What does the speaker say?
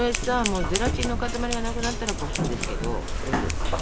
ゼラチンの塊がなくなったらこすんですけどどうですかね？